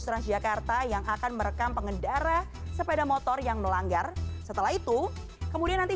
transjakarta yang akan merekam pengendara sepeda motor yang melanggar setelah itu kemudian nanti